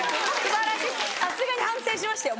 さすがに反省しましたよ